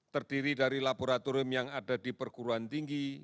terdiri dari laboratorium yang ada di perguruan tinggi